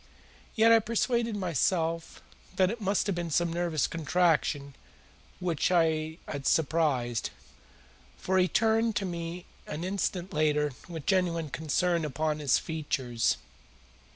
Yet I persuaded myself that it must have been some nervous contraction which I had surprised, for he turned to me an instant later with genuine concern upon his features.